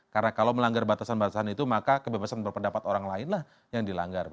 karena kalau melanggar batasan batasan itu maka kebebasan berpendapat orang lainlah yang dilanggar